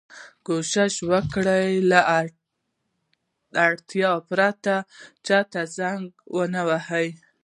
کوشش وکړئ! له اړتیا پرته چا ته زنګ و نه وهئ.